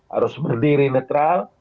harus berdiri netral